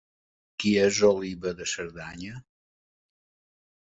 Qui és Oliba de Cerdanya?